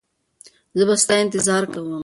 زه به ستا انتظار کوم.